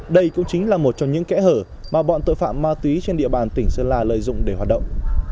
đây cũng chính là một trong những kẽ hở mà bọn tội phạm ma túy trên địa bàn tỉnh sơn la lợi dụng để hoạt động